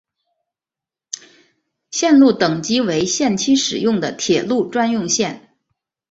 线路等级为限期使用的铁路专用线。